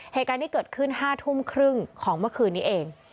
เหตุการณ์ที่เกิดขึ้น๕ทุ่มครึ่งของเมื่อคืนนี้เอง